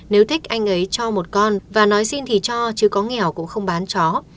nếu thích anh ấy cho một con và nói xin thì cho chứ có nghèo cũng không bán chó